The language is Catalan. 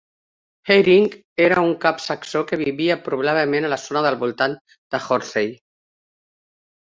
Haering era un cap saxó que vivia probablement a la zona del voltant de Hornsey.